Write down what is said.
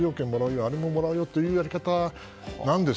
あれももらうよというやり方なんです。